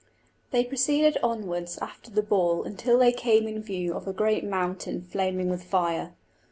They proceeded onwards after the ball until they came in view of a great mountain flaming with fire.